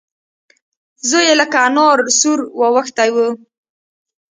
زوی يې لکه انار سور واوښتی و.